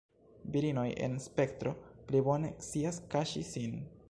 Virinoj en spektro pli bone scias kaŝi sin.